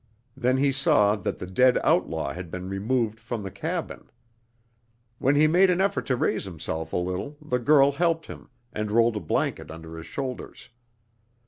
Then he saw that the dead outlaw had been removed from the cabin. When he made an effort to raise himself a little the girl helped him, and rolled a blanket under his shoulders.